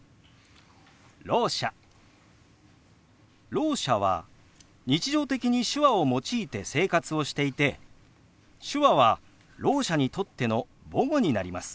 ろう者は日常的に手話を用いて生活をしていて手話はろう者にとっての母語になります。